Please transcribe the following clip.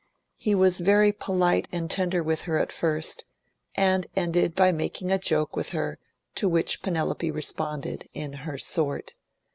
He was very polite and tender with her at first, and ended by making a joke with her, to which Penelope responded, in her sort.